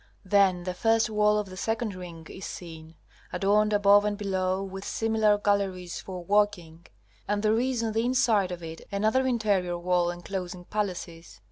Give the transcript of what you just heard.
Then the first wall of the second ring is seen adorned above and below with similar galleries for walking, and there is on the inside of it another interior wall enclosing palaces.